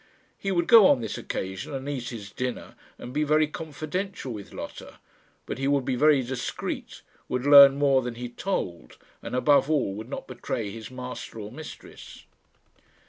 He would go on this occasion and eat his dinner and be very confidential with Lotta; but he would be very discreet, would learn more than he told, and, above all, would not betray his master or mistress.